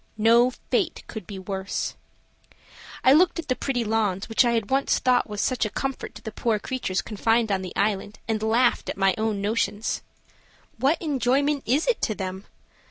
No fate could be worse. I looked at the pretty lawns, which I had once thought was such a comfort to the poor creatures confined on the Island, and laughed at my own notions. What enjoyment is it to them?